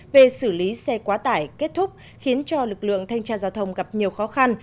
về xử lý xe quá tải kết thúc khiến cho lực lượng thanh tra giao thông gặp nhiều khó khăn